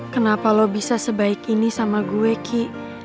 kenapa lo bisa sebaik ini sama gue ki